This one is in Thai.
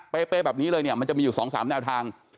เปะแบบนี้เลยจะมีอยู่๒๓แนวทาง